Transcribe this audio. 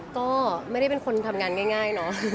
ก็ไม่ได้คนทำงานง่าย